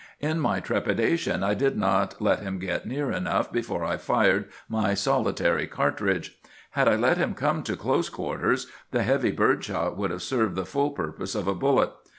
"In my trepidation I did not let him get near enough before I fired my solitary cartridge. Had I let him come to close quarters, the heavy bird shot would have served the full purpose of a bullet.